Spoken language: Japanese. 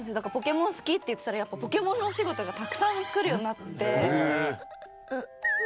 『ポケモン』好きって言ってたら『ポケモン』のお仕事がたくさん来るようになって。